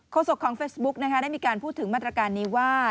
โศกของเฟซบุ๊กนะคะได้มีการพูดถึงมาตรการนี้ว่า